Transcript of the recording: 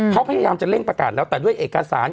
เขาพยายามจะเร่งประกาศแล้วแต่ด้วยเอกสาร